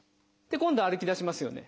今度は歩き出しますよね。